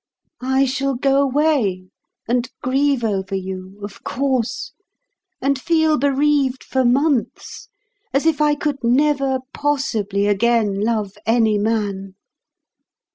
I shall go away, and grieve over you, of course, and feel bereaved for months, as if I could never possibly again love any man.